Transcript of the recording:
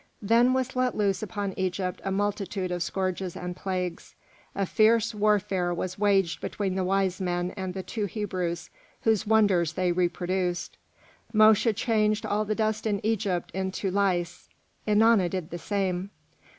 Then was let loose upon Egypt a multitude of scourges and plagues. A fierce warfare was waged between the wise men and the two Hebrews whose wonders they reproduced. Mosche changed all the dust in Egypt into lice; Ennana did the same.